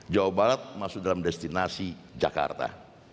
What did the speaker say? jawa barat masuk dalam destinasi jakarta